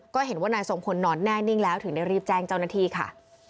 ก็เห็นว่านายทรงพลนอนแน่นิ่งแล้วถึงได้รีบแจ้งเจ้าหน้าที่ค่ะ